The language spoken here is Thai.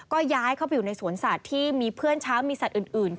ก็ย้ายเข้าไปอยู่ในสวนสัตว์ที่มีเพื่อนช้างมีสัตว์อื่น